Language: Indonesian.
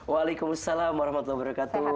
waalaikumsalam warahmatullahi wabarakatuh